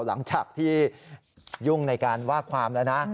หลังจากที่ยุ่งในการว่าความแล้วนะ